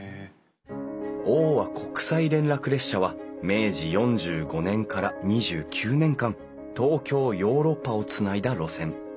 欧亜国際連絡列車は明治４５年から２９年間東京ヨーロッパをつないだ路線。